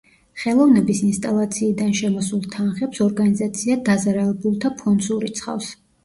ხელოვნების ინსტალაციიდან შემოსულ თანხებს ორგანიზაცია დაზარალებულთა ფონდს ურიცხავს.